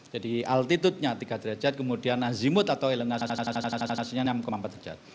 jadi altitudenya tiga derajat kemudian azimut atau elongasinya enam empat derajat